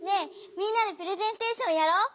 みんなでプレゼンテーションやろう！